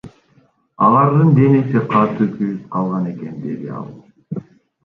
Алардын денеси катуу күйүп калган экен, — деди ал.